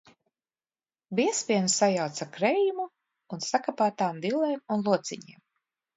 Biezpienu sajauc ar krējumu un sakapātām dillēm un lociņiem.